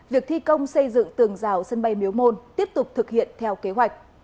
việc thi công xây dựng tường rào sân bay miếu môn tiếp tục thực hiện theo kế hoạch